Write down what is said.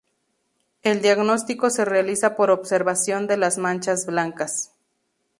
El diagnóstico se realiza por observación de las manchas blancas.